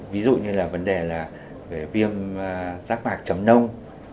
ví dụ như là vấn đề là về viêm rác mạc chấm nông